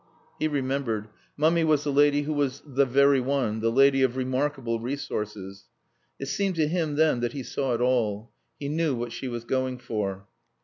He remembered. Mummy was the lady who was "the very one," the lady of remarkable resources. It seemed to him then that he saw it all. He knew what she was going for.